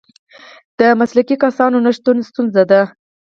د مسلکي کسانو نشتون ستونزه ده.